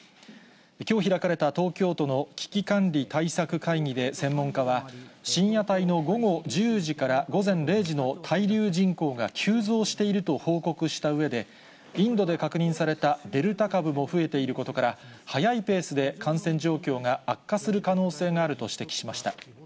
きょう開かれた東京都の危機管理対策会議で専門家は、深夜帯の午後１０時から午前０時の滞留人口が急増していると報告したうえで、インドで確認されたデルタ株も増えていることから、早いペースで感染状況が悪化する可能性があると指摘しました。